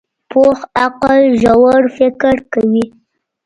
پوخ عقل ژور فکر کوي